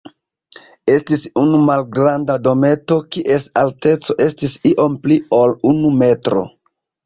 Estis unu malgranda dometo, kies alteco estis iom pli ol unu metro.